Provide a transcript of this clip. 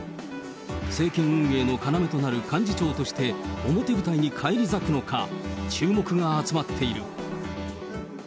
政権運営の要となる幹事長として、表舞台に返り咲くのか、注目が集まっている。